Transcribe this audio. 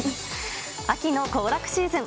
秋の行楽シーズン。